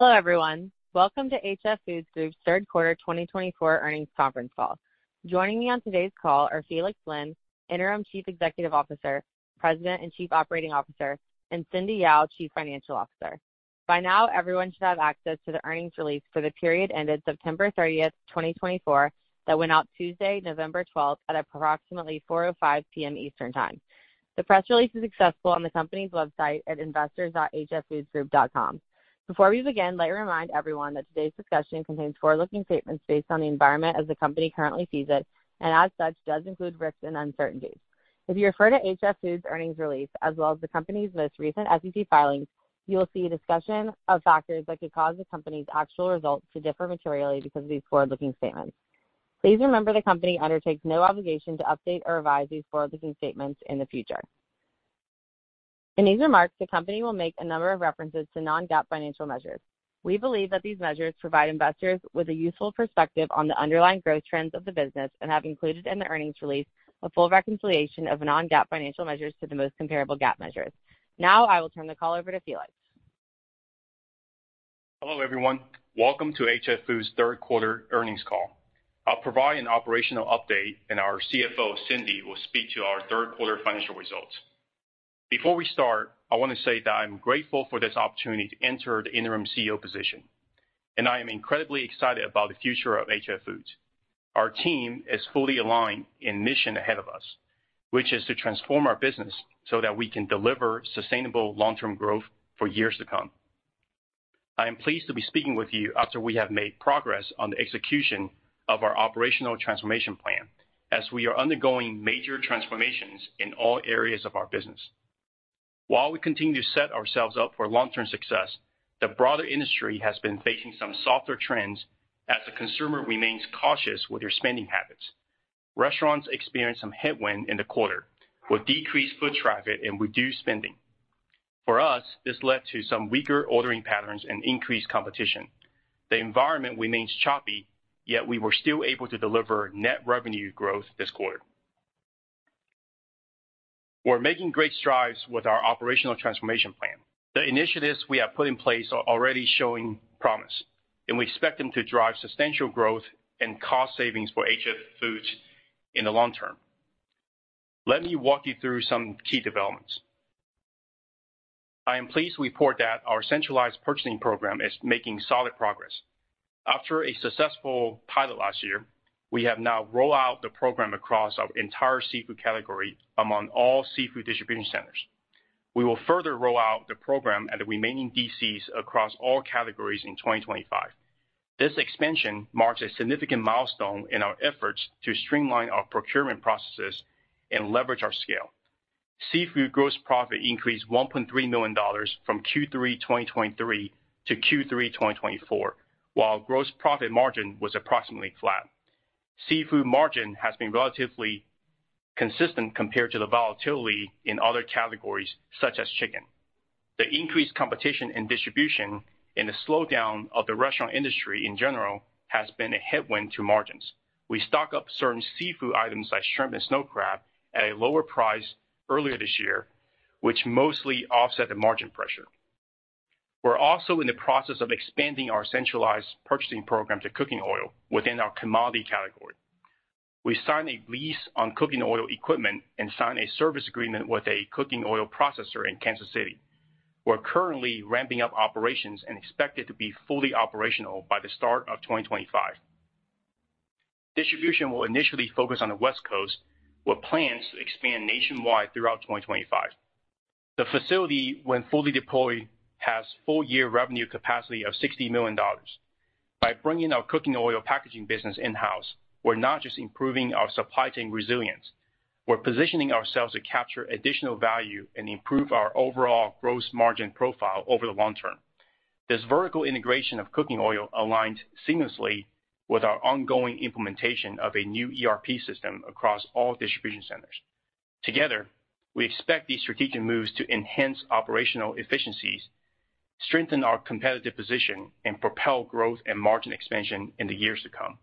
Hello, everyone. Welcome to HF Foods Group's third quarter 2024 Earnings Conference Call. Joining me on today's call are Felix Lin, Interim Chief Executive Officer, President and Chief Operating Officer, and Cindy Yao, Chief Financial Officer. By now, everyone should have access to the earnings release for the period ended September 30, 2024, that went out Tuesday, November 12, at approximately 4:05 P.M. Eastern Time. The press release is accessible on the company's website at investors.hffoodsgroup.com. Before we begin, let me remind everyone that today's discussion contains forward-looking statements based on the environment as the company currently sees it, and as such, does include risks and uncertainties. If you refer to HF Foods' earnings release, as well as the company's most recent SEC filings, you will see a discussion of factors that could cause the company's actual results to differ materially because of these forward-looking statements. Please remember the company undertakes no obligation to update or revise these forward-looking statements in the future. In these remarks, the company will make a number of references to non-GAAP financial measures. We believe that these measures provide investors with a useful perspective on the underlying growth trends of the business and have included in the earnings release a full reconciliation of non-GAAP financial measures to the most comparable GAAP measures. Now, I will turn the call over to Felix. Hello, everyone. Welcome to HF Foods' Third Quarter Earnings Call. I'll provide an operational update, and our CFO, Cindy, will speak to our Third Quarter financial results. Before we start, I want to say that I'm grateful for this opportunity to enter the interim CEO position, and I am incredibly excited about the future of HF Foods. Our team is fully aligned in the mission ahead of us, which is to transform our business so that we can deliver sustainable long-term growth for years to come. I am pleased to be speaking with you after we have made progress on the execution of our operational transformation plan, as we are undergoing major transformations in all areas of our business. While we continue to set ourselves up for long-term success, the broader industry has been facing some softer trends as the consumer remains cautious with their spending habits. Restaurants experienced some headwinds in the quarter, with decreased foot traffic and reduced spending. For us, this led to some weaker ordering patterns and increased competition. The environment remains choppy, yet we were still able to deliver net revenue growth this quarter. We're making great strides with our operational transformation plan. The initiatives we have put in place are already showing promise, and we expect them to drive substantial growth and cost savings for HF Foods in the long term. Let me walk you through some key developments. I am pleased to report that our centralized purchasing program is making solid progress. After a successful pilot last year, we have now rolled out the program across our entire seafood category among all seafood distribution centers. We will further roll out the program at the remaining DCs across all categories in 2025. This expansion marks a significant milestone in our efforts to streamline our procurement processes and leverage our scale. Seafood gross profit increased $1.3 million from Q3 2023 to Q3 2024, while gross profit margin was approximately flat. Seafood margin has been relatively consistent compared to the volatility in other categories, such as chicken. The increased competition in distribution and the slowdown of the restaurant industry in general has been a headwind to margins. We stocked up certain seafood items, like shrimp and snow crab, at a lower price earlier this year, which mostly offset the margin pressure. We're also in the process of expanding our centralized purchasing program to cooking oil within our commodity category. We signed a lease on cooking oil equipment and signed a service agreement with a cooking oil processor in Kansas City. We're currently ramping up operations and expect it to be fully operational by the start of 2025. Distribution will initially focus on the West Coast, with plans to expand nationwide throughout 2025. The facility, when fully deployed, has a full-year revenue capacity of $60 million. By bringing our cooking oil packaging business in-house, we're not just improving our supply chain resilience. We're positioning ourselves to capture additional value and improve our overall gross margin profile over the long term. This vertical integration of cooking oil aligns seamlessly with our ongoing implementation of a new ERP system across all distribution centers. Together, we expect these strategic moves to enhance operational efficiencies, strengthen our competitive position, and propel growth and margin expansion in the years to come.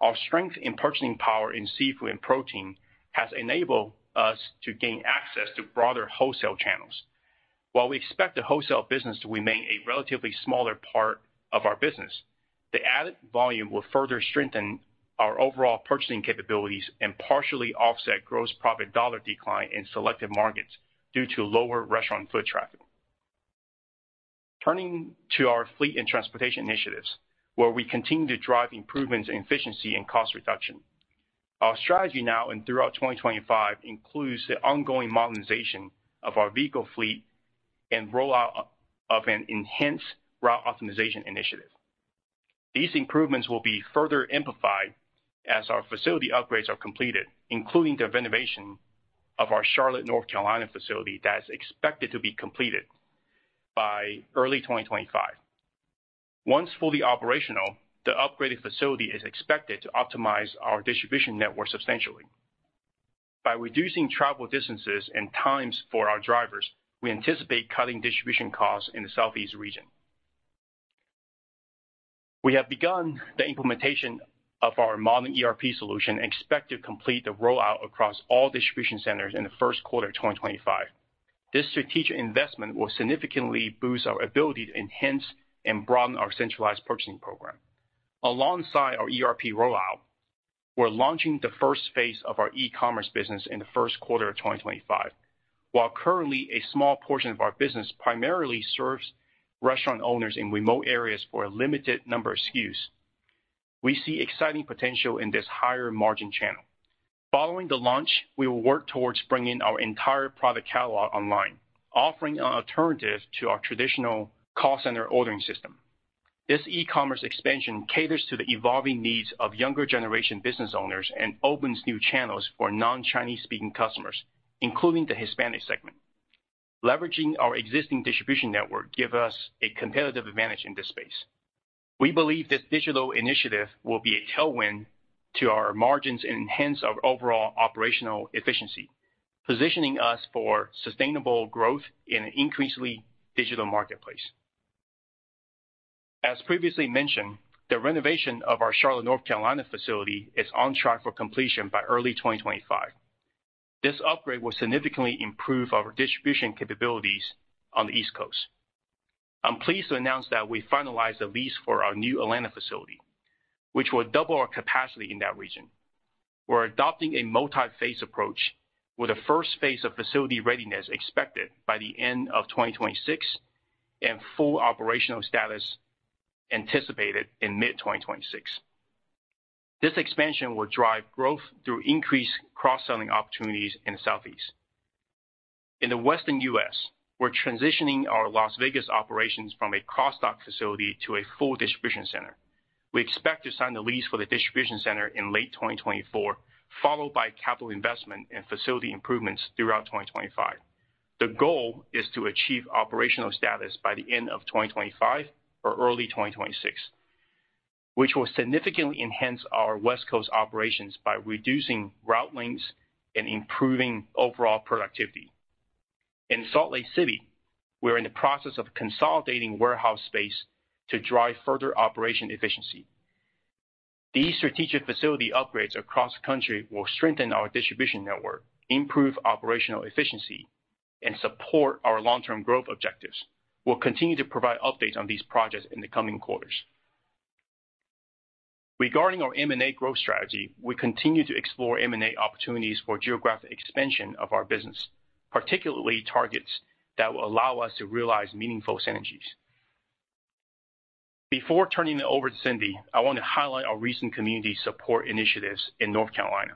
Our strength in purchasing power in seafood and protein has enabled us to gain access to broader wholesale channels. While we expect the wholesale business to remain a relatively smaller part of our business, the added volume will further strengthen our overall purchasing capabilities and partially offset gross profit dollar decline in selected markets due to lower restaurant foot traffic. Turning to our fleet and transportation initiatives, where we continue to drive improvements in efficiency and cost reduction. Our strategy now and throughout 2025 includes the ongoing modernization of our vehicle fleet and rollout of an enhanced route optimization initiative. These improvements will be further amplified as our facility upgrades are completed, including the renovation of our Charlotte, North Carolina, facility that is expected to be completed by early 2025. Once fully operational, the upgraded facility is expected to optimize our distribution network substantially. By reducing travel distances and times for our drivers, we anticipate cutting distribution costs in the Southeast region. We have begun the implementation of our modern ERP solution and expect to complete the rollout across all distribution centers in the first quarter of 2025. This strategic investment will significantly boost our ability to enhance and broaden our centralized purchasing program. Alongside our ERP rollout, we're launching the first phase of our e-commerce business in the first quarter of 2025. While currently a small portion of our business primarily serves restaurant owners in remote areas for a limited number of SKUs, we see exciting potential in this higher margin channel. Following the launch, we will work towards bringing our entire product catalog online, offering an alternative to our traditional call center ordering system. This e-commerce expansion caters to the evolving needs of younger generation business owners and opens new channels for non-Chinese-speaking customers, including the Hispanic segment. Leveraging our existing distribution network gives us a competitive advantage in this space. We believe this digital initiative will be a tailwind to our margins and enhance our overall operational efficiency, positioning us for sustainable growth in an increasingly digital marketplace. As previously mentioned, the renovation of our Charlotte, North Carolina, facility is on track for completion by early 2025. This upgrade will significantly improve our distribution capabilities on the East Coast. I'm pleased to announce that we finalized the lease for our new Atlanta facility, which will double our capacity in that region. We're adopting a multi-phase approach, with the first phase of facility readiness expected by the end of 2026 and full operational status anticipated in mid-2026. This expansion will drive growth through increased cross-selling opportunities in the Southeast. In the Western U.S., we're transitioning our Las Vegas operations from a cross-dock facility to a full distribution center. We expect to sign the lease for the distribution center in late 2024, followed by capital investment and facility improvements throughout 2025. The goal is to achieve operational status by the end of 2025 or early 2026, which will significantly enhance our West Coast operations by reducing route lengths and improving overall productivity. In Salt Lake City, we're in the process of consolidating warehouse space to drive further operational efficiency. These strategic facility upgrades across the country will strengthen our distribution network, improve operational efficiency, and support our long-term growth objectives. We'll continue to provide updates on these projects in the coming quarters. Regarding our M&A growth strategy, we continue to explore M&A opportunities for geographic expansion of our business, particularly targets that will allow us to realize meaningful synergies. Before turning it over to Cindy, I want to highlight our recent community support initiatives in North Carolina.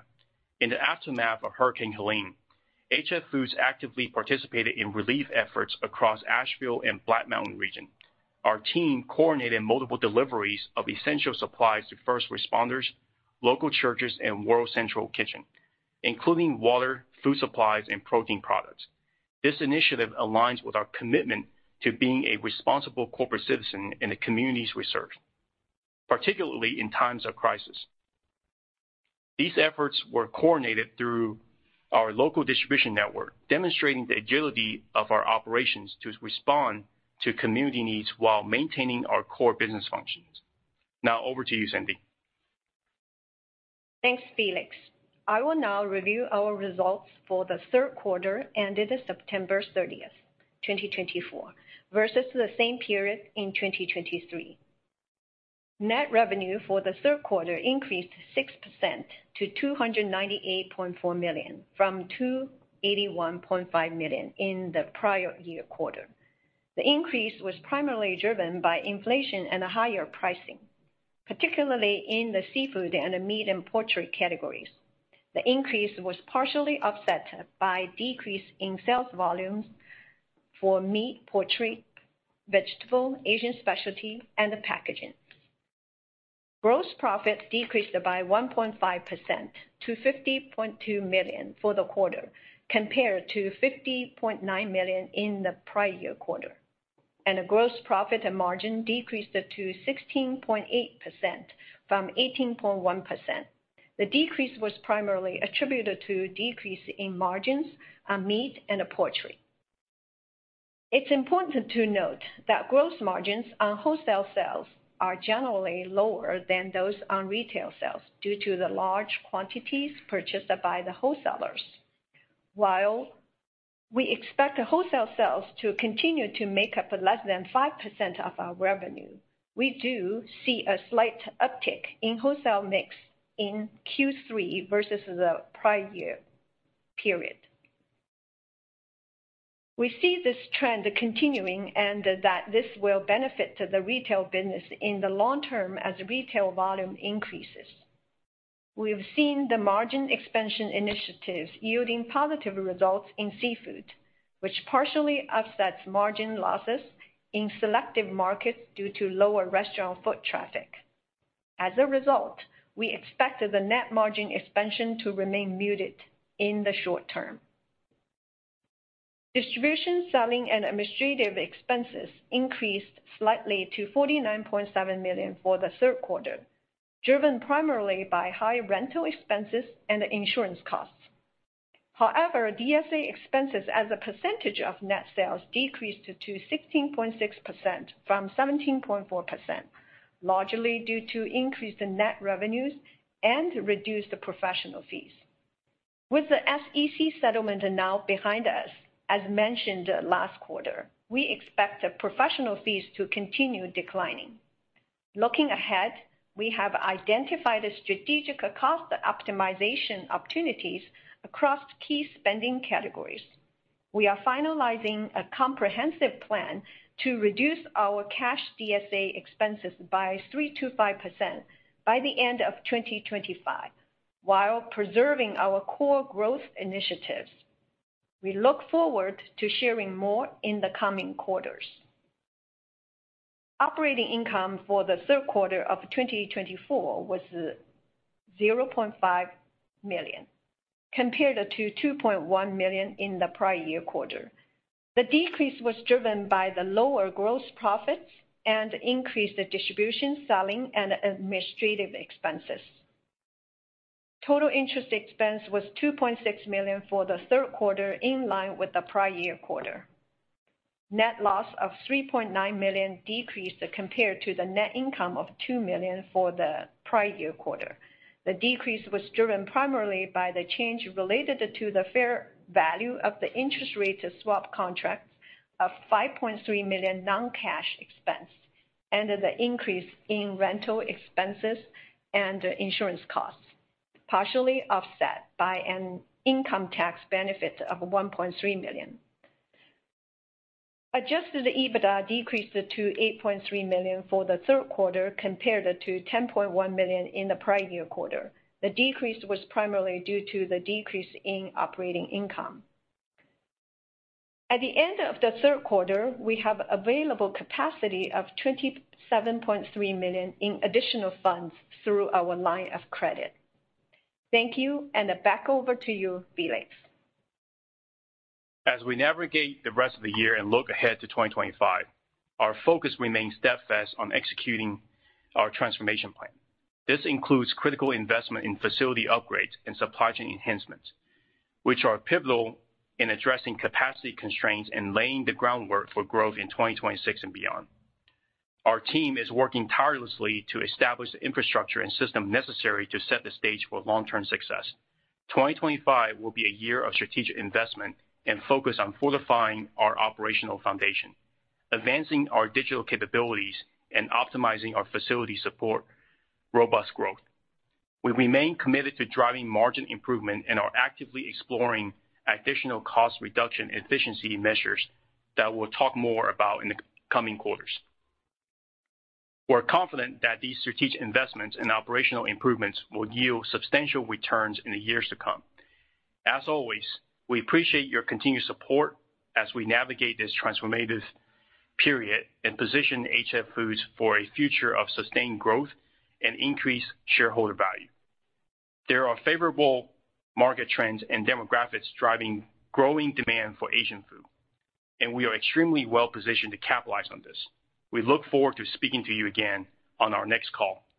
In the aftermath of Hurricane Helene, HF Foods actively participated in relief efforts across Asheville and Black Mountain region. Our team coordinated multiple deliveries of essential supplies to first responders, local churches, and World Central Kitchen, including water, food supplies, and protein products. This initiative aligns with our commitment to being a responsible corporate citizen in the communities we serve, particularly in times of crisis. These efforts were coordinated through our local distribution network, demonstrating the agility of our operations to respond to community needs while maintaining our core business functions. Now, over to you, Cindy. Thanks, Felix. I will now review our results for the third quarter ended September 30, 2024, versus the same period in 2023. Net revenue for the third quarter increased 6% to $298.4 million, from $281.5 million in the prior year quarter. The increase was primarily driven by inflation and higher pricing, particularly in the seafood and the meat and poultry categories. The increase was partially offset by a decrease in sales volumes for meat, poultry, vegetable, Asian specialty, and the packaging. Gross profit decreased by 1.5% to $50.2 million for the quarter, compared to $50.9 million in the prior year quarter, and the gross profit margin decreased to 16.8% from 18.1%. The decrease was primarily attributed to a decrease in margins on meat and poultry. It's important to note that gross margins on wholesale sales are generally lower than those on retail sales due to the large quantities purchased by the wholesalers. While we expect wholesale sales to continue to make up less than 5% of our revenue, we do see a slight uptick in wholesale mix in Q3 versus the prior year period. We see this trend continuing and that this will benefit the retail business in the long term as retail volume increases. We've seen the margin expansion initiatives yielding positive results in seafood, which partially offsets margin losses in selective markets due to lower restaurant foot traffic. As a result, we expect the net margin expansion to remain muted in the short term. Distribution selling and administrative expenses increased slightly to $49.7 million for the third quarter, driven primarily by high rental expenses and insurance costs. However, DSA expenses as a percentage of net sales decreased to 16.6% from 17.4%, largely due to increased net revenues and reduced professional fees. With the SEC settlement now behind us, as mentioned last quarter, we expect the professional fees to continue declining. Looking ahead, we have identified strategic cost optimization opportunities across key spending categories. We are finalizing a comprehensive plan to reduce our cash DSA expenses by 3.25% by the end of 2025, while preserving our core growth initiatives. We look forward to sharing more in the coming quarters. Operating income for the third quarter of 2024 was $0.5 million, compared to $2.1 million in the prior year quarter. The decrease was driven by the lower gross profits and increased distribution selling and administrative expenses. Total interest expense was $2.6 million for the third quarter, in line with the prior year quarter. Net loss of $3.9 million decreased compared to the net income of $2 million for the prior year quarter. The decrease was driven primarily by the change related to the fair value of the interest rate swap contract of $5.3 million non-cash expense and the increase in rental expenses and insurance costs, partially offset by an income tax benefit of $1.3 million. Adjusted EBITDA decreased to $8.3 million for the third quarter, compared to $10.1 million in the prior year quarter. The decrease was primarily due to the decrease in operating income. At the end of the third quarter, we have available capacity of $27.3 million in additional funds through our line of credit. Thank you, and back over to you, Felix. As we navigate the rest of the year and look ahead to 2025, our focus remains steadfast on executing our transformation plan. This includes critical investment in facility upgrades and supply chain enhancements, which are pivotal in addressing capacity constraints and laying the groundwork for growth in 2026 and beyond. Our team is working tirelessly to establish the infrastructure and system necessary to set the stage for long-term success. 2025 will be a year of strategic investment and focus on fortifying our operational foundation, advancing our digital capabilities, and optimizing our facility support robust growth. We remain committed to driving margin improvement and are actively exploring additional cost reduction efficiency measures that we'll talk more about in the coming quarters. We're confident that these strategic investments and operational improvements will yield substantial returns in the years to come. As always, we appreciate your continued support as we navigate this transformative period and position HF Foods for a future of sustained growth and increased shareholder value. There are favorable market trends and demographics driving growing demand for Asian food, and we are extremely well-positioned to capitalize on this. We look forward to speaking to you again on our next call.